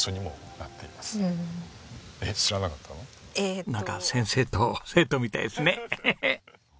なんか先生と生徒みたいですねエヘヘッ。